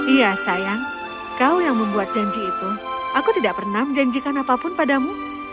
iya sayang kau yang membuat janji itu aku tidak pernah menjanjikan apapun padamu